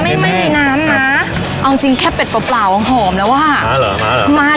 ไม่ไม่มีน้ำนะเอาจริงแค่เป็ดเปล่าเปล่าอ่ะหอมแล้วอ่ะมาเหรอมาเหรอ